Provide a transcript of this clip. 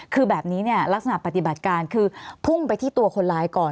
คือแบบนี้เนี่ยลักษณะปฏิบัติการคือพุ่งไปที่ตัวคนร้ายก่อน